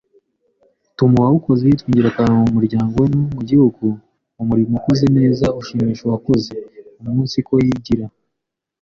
utuma uwawukoze yitwa ingirakamaro mu muryango we no mu gihugu; d) Umurimo ukoze neza ushimisha uwakoze; umunsiko yigira